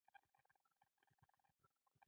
حاجي ظاهر جان ډېر مېلمه پال ځوان دی.